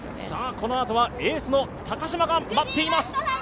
このあとはエースの高島が待っています。